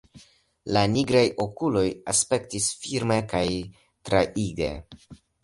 La nigraj okuloj aspektis firme kaj traige.